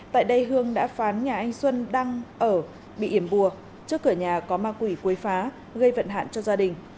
tại đây hương đã phán nhà anh xuân đang ở bị yểm bùa trước cửa nhà có ma quỷ quấy phá gây vận hạn cho gia đình